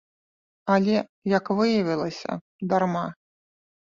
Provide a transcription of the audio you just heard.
Але, як выявілася, дарма.